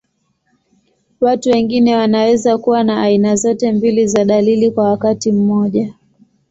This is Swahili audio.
Watu wengine wanaweza kuwa na aina zote mbili za dalili kwa wakati mmoja.